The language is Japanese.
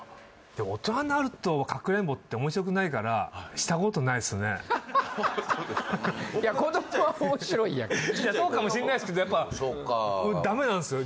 いや大人になるとかくれんぼって面白くないからそうですか子供は面白いやんそうかもしんないすけどやっぱそうかダメなんすよ